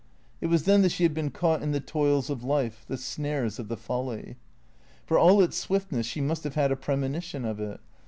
It was then that she had been caught in the toils of life, the snares of the folly. For all its swiftness, she must have had a premonition of it.